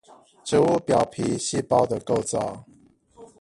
植物表皮細胞的構造